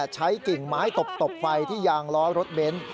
กิ่งไม้ตบไฟที่ยางล้อรถเบนท์